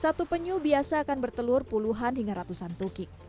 satu penyu biasa akan bertelur puluhan hingga ratusan tukik